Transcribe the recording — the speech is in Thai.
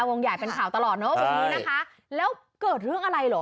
วงใหญ่เป็นข่าวตลอดเนอะวันนี้นะคะแล้วเกิดเรื่องอะไรเหรอ